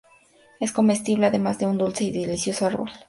Es comestible, además de un dulce y delicioso árbol de valor ornamental del.